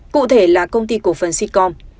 cụ thể là công ty cổ phần sitcom